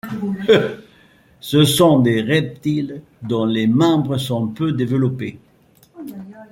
Ce sont des reptiles dont les membres sont peu développés.